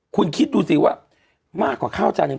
คุณคิดดูสิว่ามากกว่าข้าวจานหนึ่ง